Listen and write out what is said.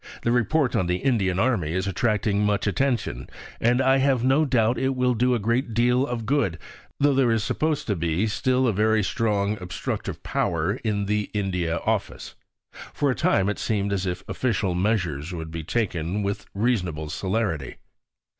31): "The Report on the Indian Army is attracting much attention, and I have no doubt it will do a great deal of good, tho' there is supposed to be still a very strong obstructive power in the India Office." For a time, it seemed as if official measures would be taken with reasonable celerity.